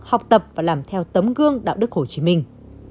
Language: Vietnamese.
học tập và làm theo tấm gương đạo đức hồ chí minh